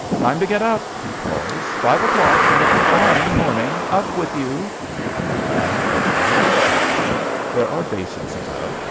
"Time to get up!" he calls. "Five o'clock and a fine morning. Up with you!" And everybody gets up. There are basins about.